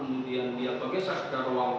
kemudian dia tergesa ke ruang